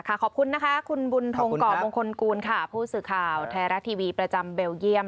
ขอบคุณนะคะคุณบุญทงก่อมงคลกูลค่ะผู้สื่อข่าวไทยรัฐทีวีประจำเบลเยี่ยม